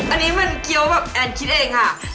อันนี้มันเกี้ยวแบบแอนคิดเองค่ะ